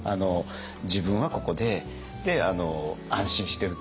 自分はここで安心してるっていうか